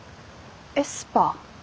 エスパー。